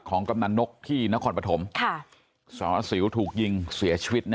ของกำลังนกที่นครปฐมสวรรค์อัตสิวถูกยิงเสียชวิตนะฮะ